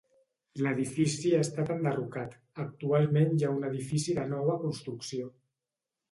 L'edifici ha estat enderrocat, actualment hi ha un edifici de nova construcció.